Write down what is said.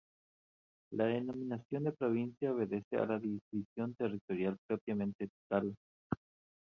La denominación de provincia obedece a la división territorial propiamente tal.